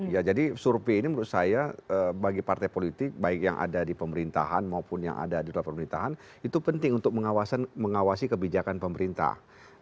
ya jadi survei ini menurut saya bagi partai politik baik yang ada di pemerintahan maupun yang ada di luar pemerintahan itu penting untuk mengawasi kebijakan pemerintah